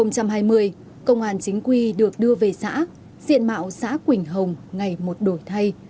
năm hai nghìn hai mươi công an chính quy được đưa về xã diện mạo xã quỳnh hồng ngày một đổi thay